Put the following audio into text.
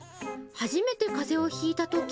初めてかぜをひいたとき。